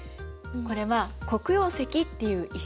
これは黒曜石っていう石。